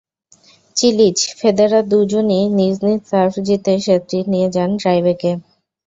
Cilic, Federer দুজনই নিজ নিজ সার্ভ জিতে সেটটি নিয়ে যান টাইব্রেকে।